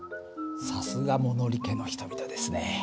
さすが物理家の人々ですね。